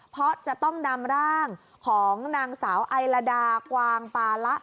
เพราะจะต้องนำร่างของนางสาวไอลาดากวางปาละ